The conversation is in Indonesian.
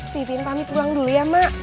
pipin pamit ulang dulu ya mak